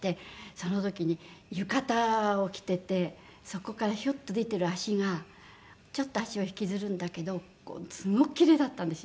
その時に浴衣を着ててそこからひょっと出てる足がちょっと足は引きずるんだけどすごくキレイだったんですよ。